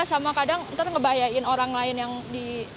sama kadang ntar ngebahayain orang lain yang di